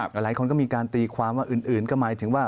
หลายคนก็มีการตีความว่าอื่นก็หมายถึงว่า